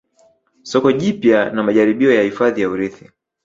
Soko jipya na majaribio ya hifadhi ya urithi